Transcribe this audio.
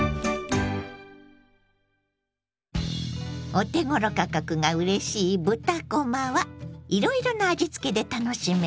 お手ごろ価格がうれしい豚こまはいろいろな味付けで楽しめます。